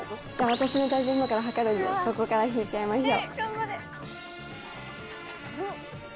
私の体重今から測るんでそこから引いちゃいましょう。